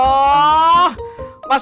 masih belum lacer